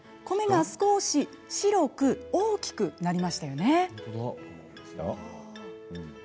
米が少し白く大きくなりましたよね。